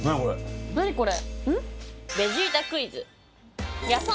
何これ？